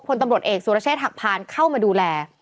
พลตำรวจเอกสุรเชษฐหักพานเข้ามาดูแล